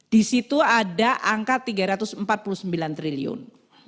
di situ ada angka tiga ratus empat puluh sembilan triliun